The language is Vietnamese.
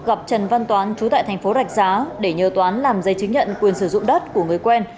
gặp trần văn toán chú tại thành phố rạch giá để nhờ toán làm giấy chứng nhận quyền sử dụng đất của người quen